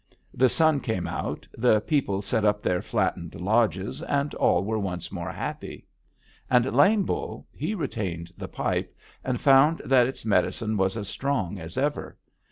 The sun came out, the people set up their flattened lodges, and all were once more happy. "And Lame Bull, he retained the pipe, and found that its medicine was as strong as ever.